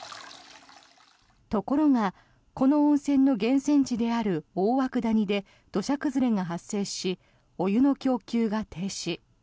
ところがこの温泉の源泉地である大涌谷で土砂崩れが発生しお湯の供給が停止。